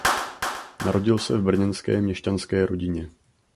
Narodil se v brněnské měšťanské rodině.